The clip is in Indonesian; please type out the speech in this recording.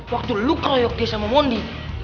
waktu lu keroyok dia sama mondi